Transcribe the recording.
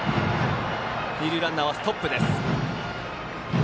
二塁ランナーはストップです。